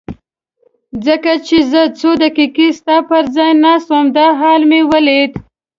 ځکه چې زه څو دقیقې ستا پر ځای ناست وم دا حال مې ولید.